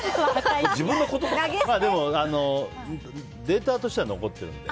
でも、データとしては残っているので。